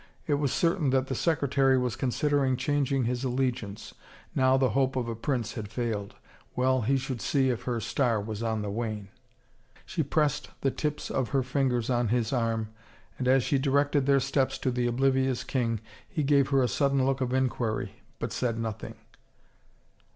It was certain that the secre tary was considering changing his allegiance, now the hope of a prince had failed. Well, he should see if her star was on the wane I She pressed the tips of her fingers on his arm and as she directed their steps to the oblivious king he gave her a sudden look of inquiry, but said nothing.